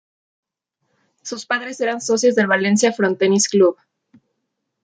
Sus padres eran socios del Valencia frontenis club.